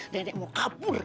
nenek mau kabur